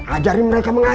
ajari mereka mengaji